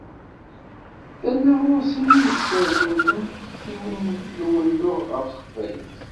Terna ɣur-s imi cerken-ten tektiwin d umennuɣ ɣef Teqbaylit.